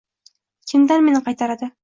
Kim meni qaytaradi?